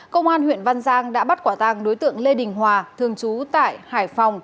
công an huyện văn giang đã bắt quả tàng đối tượng lê đình hòa thường trú tại hải phòng